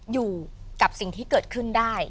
อยู่กับสิ่งที่เกิดขึ้นได้